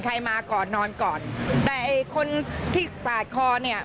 มาก่อนนอนก่อนแต่ไอ้คนที่ปาดคอเนี่ย